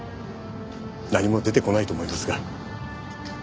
何も出てこないと思いますが。